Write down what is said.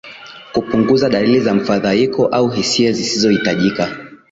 kupunguza dalili za mfaidhaiko au hisia zisizohitajika